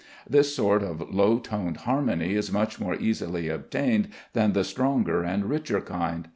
This sort of low toned harmony is much more easily obtained than the stronger and richer kind.